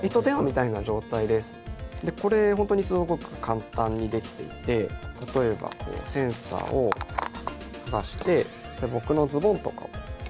これ本当にすごく簡単にできていて例えばセンサーを剥がして僕のズボンとかをこすると。